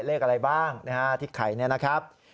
เลขอะไรบ้างนะฮะที่ไข่เนี่ยนะครับ